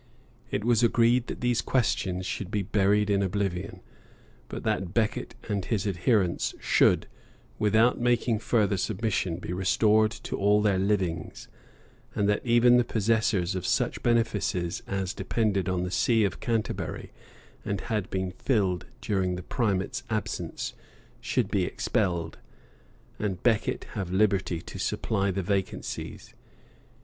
It was agreed that all these questions should be buried in oblivion; but that Becket and his adherents should, without making further submission, be restored to all their livings, and that even the possessors of such benefices as depended on the see of Canterbury and had been filled during the primate's absence, should be expelled, and Becket have liberty to supply the vacancies.